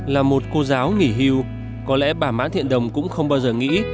là một cô giáo nghỉ hưu có lẽ bà mã thiện đồng cũng không bao giờ nghĩ